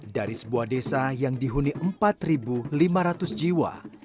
dari sebuah desa yang dihuni empat lima ratus jiwa